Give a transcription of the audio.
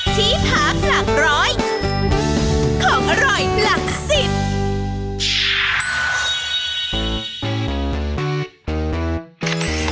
ที่พักหลักร้อยของอร่อยหลักสิบ